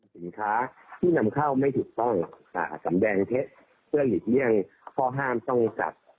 สินค้าที่นำเข้าไม่ถูกต้องสำแดงเท็จเพื่อหลีกเลี่ยงข้อห้ามต้องจัด